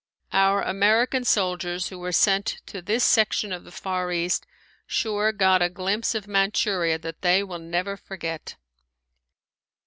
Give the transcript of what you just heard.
Our American soldiers who were sent to this section of the Far East sure got a glimpse of Manchuria that they will never forget.